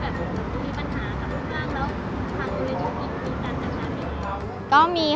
แล้วพังอยู่ในสถานที่นี่มีการจัดงานอยู่ไหม